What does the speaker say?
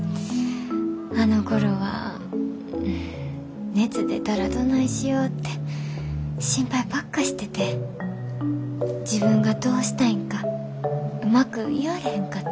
あのころは熱出たらどないしよって心配ばっかしてて自分がどうしたいんかうまく言われへんかって。